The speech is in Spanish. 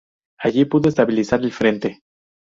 Aquí pudo estabilizar el frente.